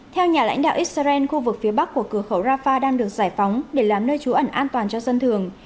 theo nhà lãnh đạo israel khu vực phía bắc của cửa khẩu rafah đang được giải phóng để làm nơi trú ẩn an toàn cho dân thường